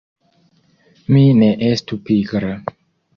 Mi ne estu pigra!